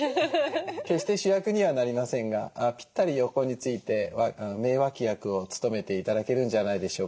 決して主役にはなりませんがピッタリ横について名脇役を務めて頂けるんじゃないでしょうかね。